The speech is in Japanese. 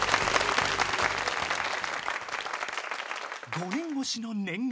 ［５年越しの念願］